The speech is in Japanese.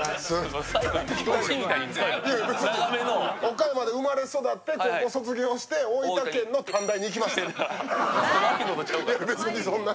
岡山で生まれ育って高校卒業して大分県の短大に行きました。